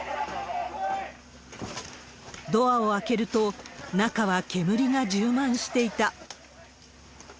ドアを開けると、中は煙が充満していた。